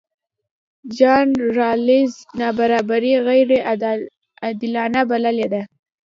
جان رالز نابرابري غیرعادلانه بللې ده.